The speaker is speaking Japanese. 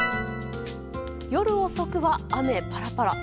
夜遅くは雨パラパラ。